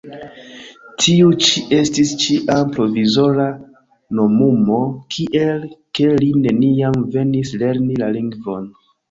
Tiu ĉi estis ĉiam "provizora" nomumo, tiel ke li neniam venis lerni la lingvon.